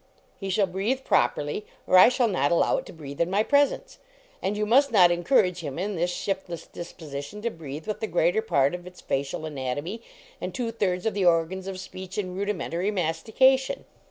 He shall breathe properly, or I shall not allow it to breathe in my pres ence. And you must not encourage him in his shiftless disposition to breathe with the greater part of its facial anatomy and two thirds of the organs of speech and rudimentary mastication."